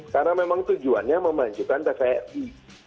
karena memang tujuannya memanjukan dpr ri